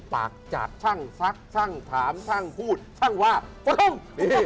ปากจัดชั่งซักชั่งถามชั่งพูดชั่งว่าปุ้ง